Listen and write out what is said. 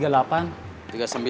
ya udah kok leaving ya court